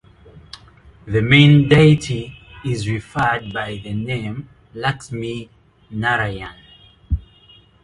The main deity is referred by the name Laxmi Narayan.